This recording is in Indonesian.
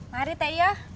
mari teh iyo